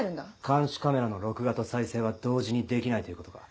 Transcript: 監視カメラの録画と再生は同時にできないということか。